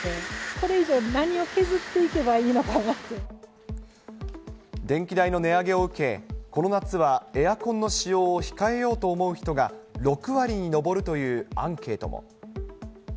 これ以上、電気代の値上げを受け、この夏はエアコンの使用を控えようと思う人が６割に上るというアンケートも。